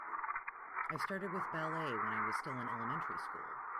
I started with ballet when I was still in elementary school.